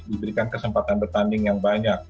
diberikan kesempatan bertanding yang banyak